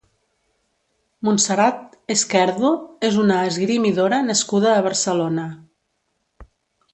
Montserat Esquerdo és una esgrimidora nascuda a Barcelona.